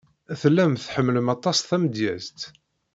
Tellam tḥemmlem aṭas tamedyazt.